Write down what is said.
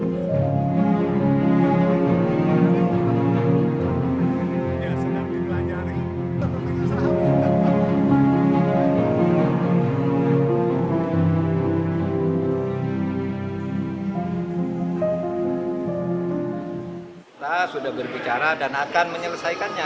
kita sudah berbicara dan akan menyelesaikannya